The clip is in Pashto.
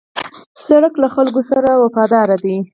سړک له خلکو سره وفاداره دی.